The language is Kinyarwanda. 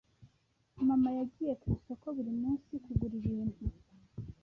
Mama yagiye ku isoko buri munsi kugura ibintu.